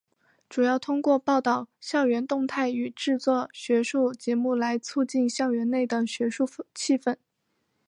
主要透过报导校园动态与制作学术节目来促进校园内的学术气氛。